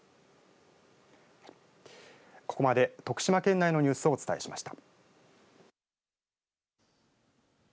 ここまで徳島県内のニュースをお伝えしました。